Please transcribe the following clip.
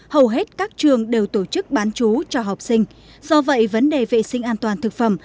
hầu hết các trường đều tổ chức bán chú cho học sinh do vậy vấn đề vệ sinh an toàn thực phẩm